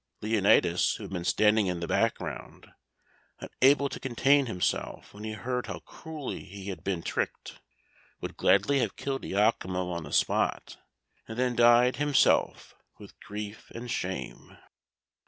Leonatus, who had been standing in the background, unable to contain himself when he heard how cruelly he had been tricked, would gladly have killed Iachimo on the spot, and then died, himself, with grief and shame.